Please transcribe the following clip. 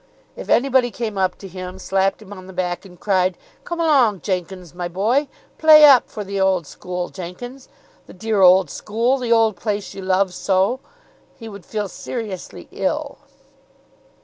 If anybody came up to him, slapped him on the back, and cried, "Come along, Jenkins, my boy! Play up for the old school, Jenkins! The dear old school! The old place you love so!" he would feel seriously ill.